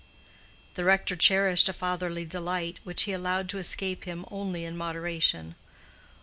The rector cherished a fatherly delight, which he allowed to escape him only in moderation.